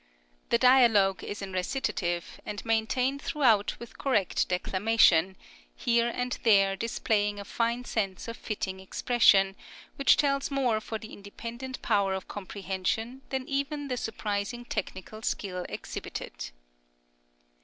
The dialogue is in recitative, and maintained throughout with correct declamation, here and there displaying a fine sense of fitting expression, which tells more for the independent power of comprehension than even the surprising technical skill exhibited.